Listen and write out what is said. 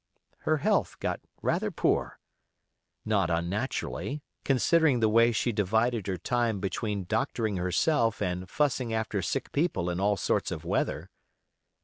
Her health got rather poor—not unnaturally, considering the way she divided her time between doctoring herself and fussing after sick people in all sorts of weather.